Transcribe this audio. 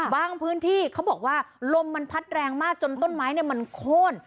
พื้นที่เขาบอกว่าลมมันพัดแรงมากจนต้นไม้มันโค้น